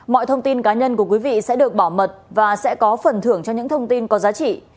mọi thông tin cá nhân của quý vị sẽ được bảo mật và sẽ có phần thưởng cho những thông tin có giá trị